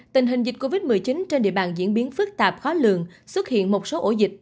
tình hình dịch covid một mươi chín trên địa bàn diễn biến phức tạp khó lường xuất hiện một số ổ dịch